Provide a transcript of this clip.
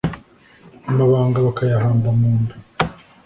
Amabanga bakayahamba mu nda